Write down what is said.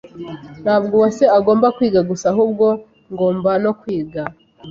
Ntabwo Uwase agomba kwiga gusa, ahubwo ngomba no kwiga.